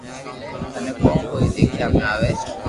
ٿني ڪون ڪوئي ديکيا ۾ آوي